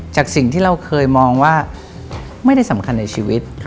จากสิ่งที่เราเคยมองว่าไม่ได้สำคัญในชีวิต